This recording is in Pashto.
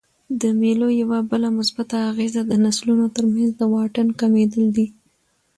د مېلو یوه بله مثبته اغېزه د نسلونو ترمنځ د واټن کمېدل دي.